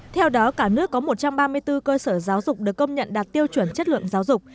theo đó cả nước có một trăm ba mươi bốn cơ sở giáo dục được công nhận đạt tiêu chuẩn chất lượng giáo dục